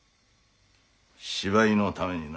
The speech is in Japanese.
芝居のためにな。